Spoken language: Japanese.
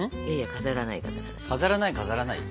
飾らない飾らない？